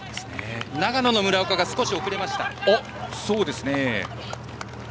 長野の村岡が少し遅れました。